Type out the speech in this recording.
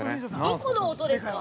◆どこの音ですか。